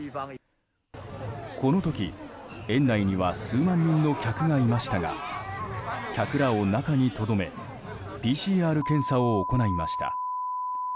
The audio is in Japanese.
この時、園内には数万人の客がいましたが客らを中にとどめＰＣＲ検査を行いました。